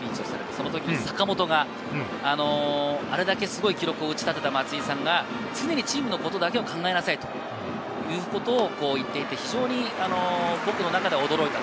そのとき坂本が、あれだけすごい記録を打ち立てた松井さんが常にチームのことだけを考えなさいということを言っていて、非常に僕の中では驚いた。